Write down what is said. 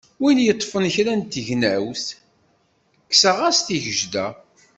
Win yeṭṭfen kra n tegnewt, kkseɣ-as tigejda.